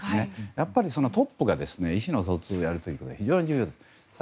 やはりトップが意思の疎通をやるということは非常に重要です。